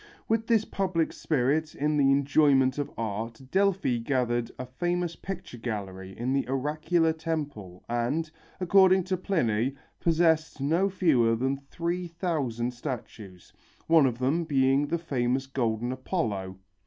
With this public spirit in the enjoyment of art Delphi gathered a famous picture gallery in the oracular temple and, according to Pliny, possessed no fewer than three thousand statues, one of them being the famous golden Apollo.